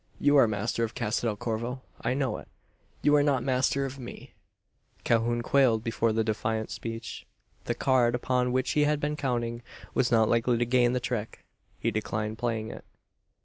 You are master of Casa del Corvo. I know it. You are not master of me!" Calhoun quailed before the defiant speech. The card, upon which he had been counting, was not likely to gain the trick. He declined playing it.